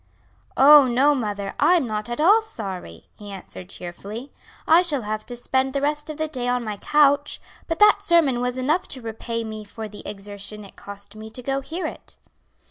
"Oh, no, mother, I'm not at all sorry," he answered cheerfully; "I shall have to spend the rest of the day on my couch, but that sermon was enough to repay me for the exertion it cost me to go to hear it."